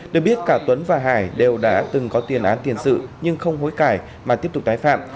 được biết cả tuấn và hải đều đã từng có tiền án tiền sự nhưng không hối cải mà tiếp tục tái phạm